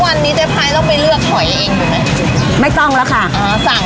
วันนี้เจ๊พาต้องไปเลือกหอยเองหรือเปล่าไม่ต้องล่ะค่ะอ๋อสั่งได้